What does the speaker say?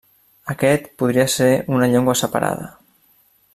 Aquest podria ser una llengua separada.